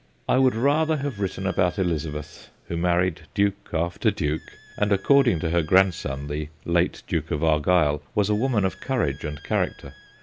I would rather have written about Elizabeth, who married duke after duke, and according to her grandson, the late Duke of Argyll, was a woman of courage and character.